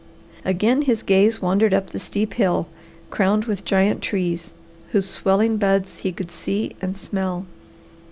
Again his gaze wandered up the steep hill, crowned with giant trees, whose swelling buds he could see and smell.